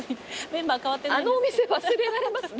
あのお店忘れられます？